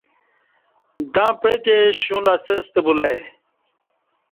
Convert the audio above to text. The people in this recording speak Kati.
دں پعتے شولستہ بُلہ ای